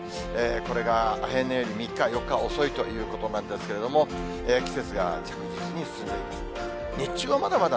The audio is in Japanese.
これが平年より３日、４日遅いということなんですけれども、季節が着実に進んでいます。